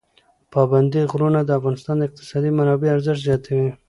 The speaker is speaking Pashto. پابندی غرونه د افغانستان د اقتصادي منابعو ارزښت زیاتوي.